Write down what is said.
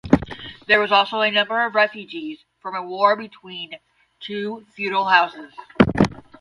There were also a number of refugees from a war between two feudal houses.